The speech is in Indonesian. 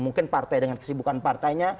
mungkin partai dengan kesibukan partainya